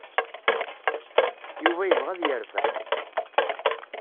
Yuba yebɣa ad yerbeḥ.